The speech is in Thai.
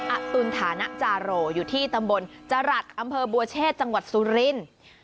อตุลฐานะจาโรอยู่ที่ตำบลจรัสอำเภอบัวเชษจังหวัดสุรินทร์